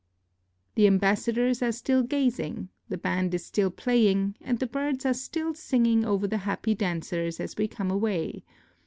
The ambassadors are still gazing, the band is still playing, and the birds are still singing over the happy dancers as we come away.